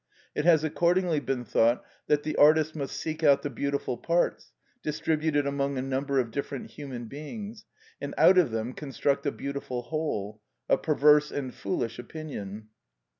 It has accordingly been thought that the artist must seek out the beautiful parts, distributed among a number of different human beings, and out of them construct a beautiful whole; a perverse and foolish opinion.